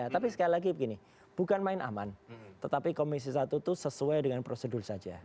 tapi sekali lagi begini bukan main aman tetapi komisi satu itu sesuai dengan prosedur saja